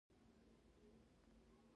رښتینې سودا د اوږدمهاله باور بنسټ دی.